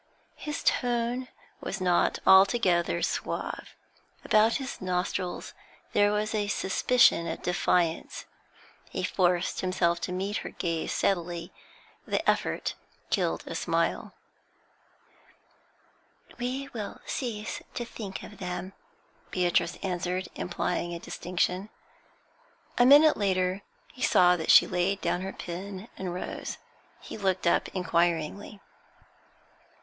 His tone was not altogether suave; about his nostrils there was a suspicion of defiance. He forced himself to meet her gaze steadily; the effort killed a smile. 'We will cease to speak of them,' Beatrice answered, implying a distinction. A minute later he saw' that she laid down her pen and rose. He looked up inquiringly.